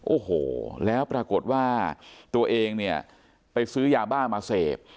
โอ้โหแล้วปรากฏว่าตัวเองเนี่ยไปซื้อยาบ้ามาเสพ